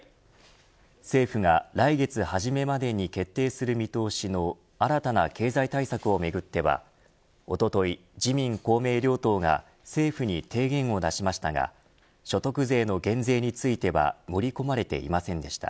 政府が来月初めまでに決定する見通しの新たな経済対策をめぐってはおととい、自民・公明両党が政府に提言を出しましたが所得税の減税については盛り込まれていませんでした。